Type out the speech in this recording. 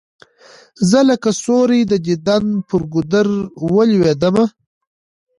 زه لکه سیوری د دیدن پر گودر ولوېدلم